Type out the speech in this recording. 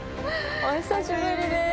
お久しぶりです。